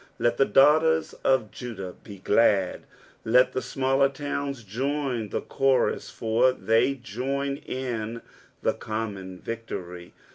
" Let th« daughteft tf Jvidnik Ae glait '' let the smaller towns joiD the chorus, ^r the j join in the com mon victory.